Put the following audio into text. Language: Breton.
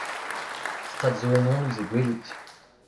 Stad zo ennon ouzh he gwelout !